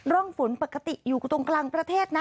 ร่องฝนปกติอยู่ตรงกลางประเทศนะ